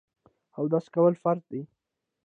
اودس کول فرض دي.